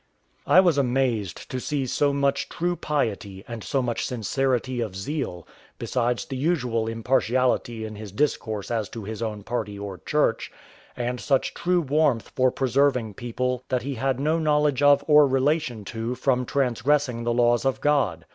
I was amazed to see so much true piety, and so much sincerity of zeal, besides the unusual impartiality in his discourse as to his own party or church, and such true warmth for preserving people that he had no knowledge of or relation to from transgressing the laws of God.